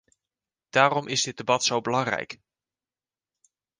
Daarom is dit debat zo belangrijk.